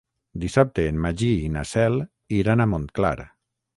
Dissabte en Magí i na Cel iran a Montclar.